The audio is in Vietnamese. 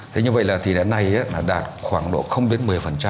thế như vậy là thì đến nay đã đạt khoảng độ không đến một mươi